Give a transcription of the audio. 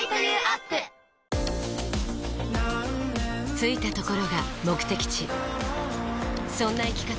着いたところが目的地そんな生き方